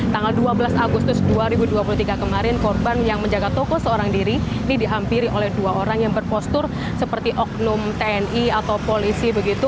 tanggal dua belas agustus dua ribu dua puluh tiga kemarin korban yang menjaga toko seorang diri ini dihampiri oleh dua orang yang berpostur seperti oknum tni atau polisi begitu